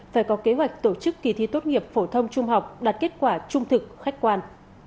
phải có kế hoạch tổ chức kỳ thi tốt nghiệp phổ thông trung học đạt kết quả trung thực khách quan